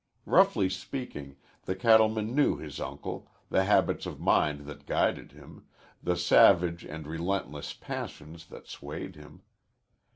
Roughly speaking, the cattleman knew his uncle, the habits of mind that guided him, the savage and relentless passions that swayed him.